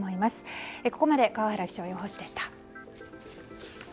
ここまで川原気象予報士でした。